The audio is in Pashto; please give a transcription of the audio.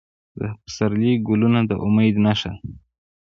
د پسرلي ګلونه د امید نښه ده.